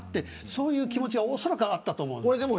そういう気持ちがおそらく、あったと思うんです。